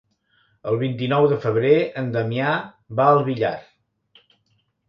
El vint-i-nou de febrer en Damià va al Villar.